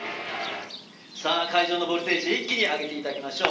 会場のボルテージ、一気に上げていただきましょう。